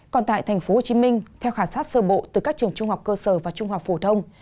còn tại tp hcm theo khảo sát sơ bộ từ các trường trung học cơ sở và trung học phổ thông